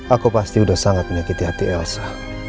aku pasti sudah sangat menyakiti hati elsa